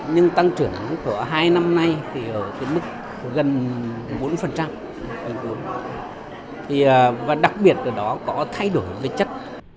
nhưng tăng trưởng của hai năm nay thì ở mức gần bốn và đặc biệt ở đó có thay đổi về chất